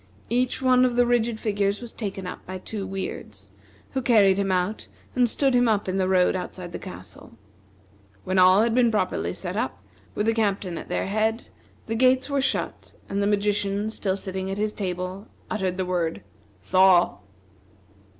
Each one of the rigid figures was taken up by two Weirds, who carried him out and stood him up in the road outside the castle. When all had been properly set up, with the captain at their head, the gates were shut, and the magician still sitting at his table, uttered the word, "Thaw!"